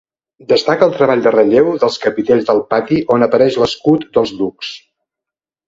Destaca el treball de relleu dels capitells del pati on apareix l'escut dels ducs.